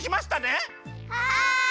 はい！